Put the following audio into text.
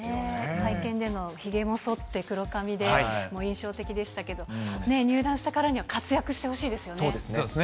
会見での、ひげもそって、黒髪で、印象的でしたけども、入団したからには活そうですね。